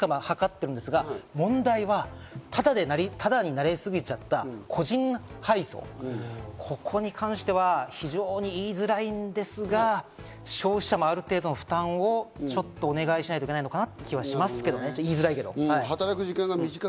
企業間は僕が知ってる限りはだいぶ交渉が進んで、賃上げとか、効率化を図ってるんですが、問題は、ただに慣れ過ぎちゃった個人配送、ここに関しては非常に言いづらいんですが、消費者もある程度の負担をちょっとお願いしないといけないのかなという気がしますけどね、言いづらいけど。